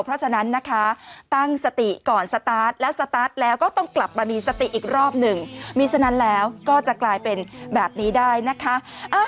เพราะฉะนั้นนะคะตั้งสติก่อนสตาร์ทแล้วสตาร์ทแล้วก็ต้องกลับมามีสติอีกรอบหนึ่งมีฉะนั้นแล้วก็จะกลายเป็นแบบนี้ได้นะคะ